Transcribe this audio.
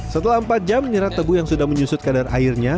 setelah empat jam nirah tebu yang sudah menyusut kadar airnya